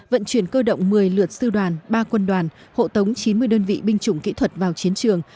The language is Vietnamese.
vận chuyển cơ động một mươi lượt sư đoàn ba quân đoàn hộ tống chín mươi đơn vị binh chủng kỹ thuật vào chiến trường